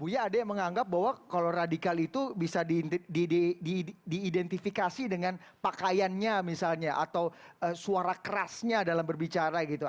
buya ada yang menganggap bahwa kalau radikal itu bisa diidentifikasi dengan pakaiannya misalnya atau suara kerasnya dalam berbicara gitu